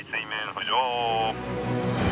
浮上。